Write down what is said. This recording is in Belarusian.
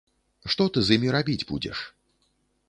Што ты з імі рабіць будзеш?